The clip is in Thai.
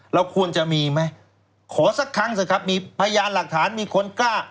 เราควรจะมีไหมขอสักครั้งเถอะครับมีพยานหลักฐานมีคนกล้า